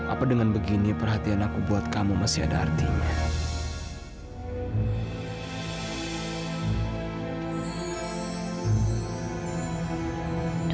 apa dengan begini perhatian aku buat kamu masih ada artinya